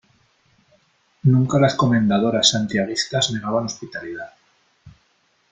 nunca las Comendadoras Santiaguistas negaban hospitalidad .